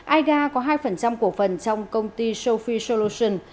aiga có hai cổ phần trong công ty sophie solutions